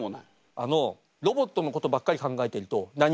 あのロボットのことばっかり考えてると何もできなくなる。